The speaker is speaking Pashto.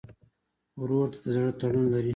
ورور ته د زړه تړون لرې.